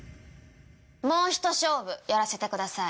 もうひと勝負やらせてください。